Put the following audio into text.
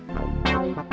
wah ketemu dia lagi